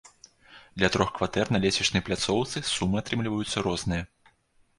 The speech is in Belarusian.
Для трох кватэр на лесвічнай пляцоўцы сумы атрымліваюцца розныя.